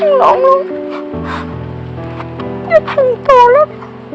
น้องน้องอย่าตื่นตัวแล้ว